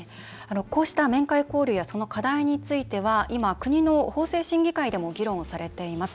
こうした面会交流や課題については今国の法制審議会でも審議されています。